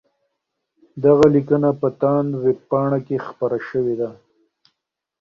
دغه لیکنه په تاند ویبپاڼه کي خپره سوې ده.